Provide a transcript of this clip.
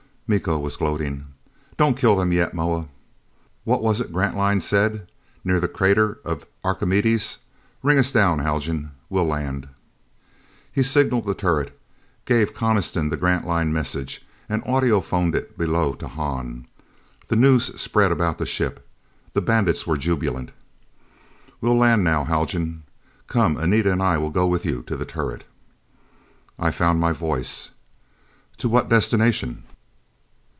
Miko was gloating. "Don't kill them yet, Moa. What was it Grantline said? Near the crater of Archimedes. Ring us down, Haljan. We'll land." He signaled the turret, gave Coniston the Grantline message, and audiphoned it below to Hahn. The news spread about the ship. The bandits were jubilant. "We'll land now, Haljan. Come, Anita and I will go with you to the turret." I found my voice. "To what destination?"